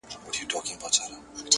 کلونه کېږي له زندانه اواز نه راوزي.!